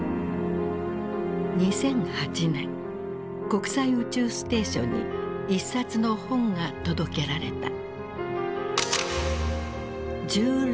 国際宇宙ステーションに一冊の本が届けられた。